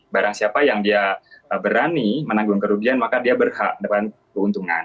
barang siapa yang dia berani menanggung kerugian maka dia berhak dengan keuntungan